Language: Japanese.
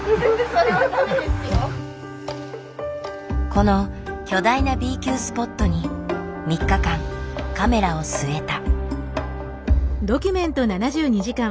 この巨大なＢ級スポットに３日間カメラを据えた。